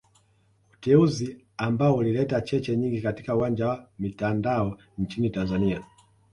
Uteuzi ambao ulileta cheche nyingi katika uwanja wa mitandao nchini Tanzania